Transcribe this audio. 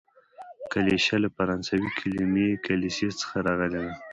کلیشه له فرانسوي کليمې کلیسې څخه راغلې ده.